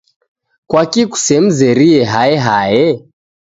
Kwaki kusemzerie hae hae?